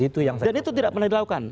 dan itu tidak pernah dilakukan